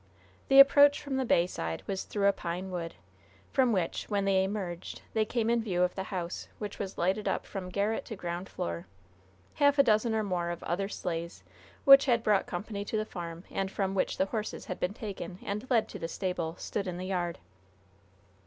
The approach from the bay side was through a pine wood, from which, when they emerged, they came in view of the house, which was lighted up from garret to ground floor. Half a dozen or more of other sleighs, which had brought company to the farm, and from which the horses had been taken and led to the stable, stood in the yard.